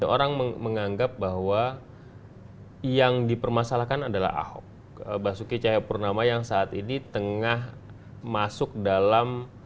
orang menganggap bahwa yang dipermasalahkan adalah ahok basuki cahayapurnama yang saat ini tengah masuk dalam